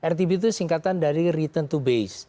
rtb itu singkatan dari return to base